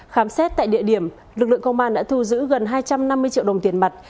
khám xét tại địa điểm lực lượng công an đã thu giữ gần hai trăm năm mươi triệu đồng tiền mặt